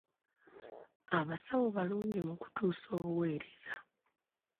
Abasawo balungi mu kutuusa obuweereza.